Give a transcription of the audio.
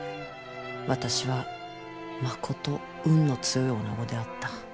私はまこと運の強い女子であった。